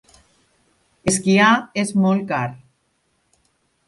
Esquiar és molt car.